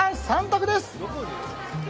３択です。